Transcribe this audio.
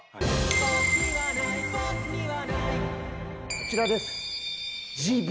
こちらです。